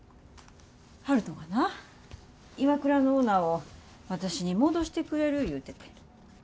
悠人がなＩＷＡＫＵＲＡのオーナーを私に戻してくれる言うてて。